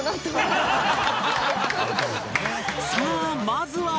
さあまずは